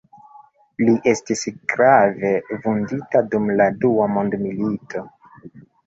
Li estis grave vundita dum la dua mondmilito.